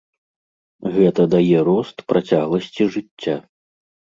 Гэта дае рост працягласці жыцця.